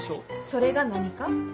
それが何か？